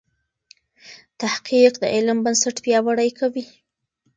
تحقیق د علم بنسټ پیاوړی کوي.